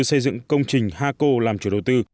xây dựng công trình haco làm chủ đầu tư